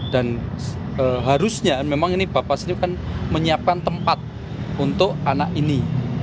dan harusnya memang ini bapas ini akan menyiapkan tempat untuk anak ini